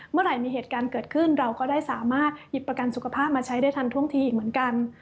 เมื่อไหร่มีเหตุการณ์เกิดขึ้นเราก็ได้สามารถหยิบประกันสุขภาพมาใช้ได้ทันท่วงทีอีกเหมือนกัน